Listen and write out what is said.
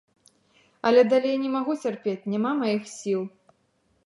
Але далей не магу цярпець, няма маіх сіл.